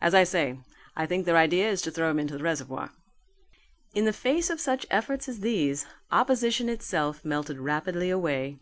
As I say, I think their idea is to throw him into the reservoir." In the face of such efforts as these, opposition itself melted rapidly away.